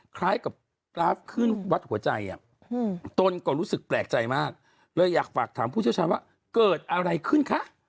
คล้ายกับกราฟขึ้นวัดหัวใจตนก็รู้สึกแปลกใจมากเลยอยากฝากถามผู้เชี่ยวชาญว่าเกิดอะไรขึ้นคะ